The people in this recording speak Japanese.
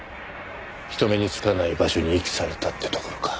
人目につかない場所に遺棄されたってところか。